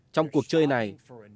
trong cuộc chơi này